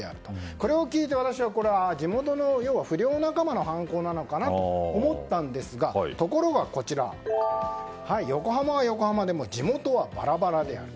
これを聞いて私は地元の不良仲間の犯行なのかなと思ったんですがところが横浜は横浜でも地元はバラバラである。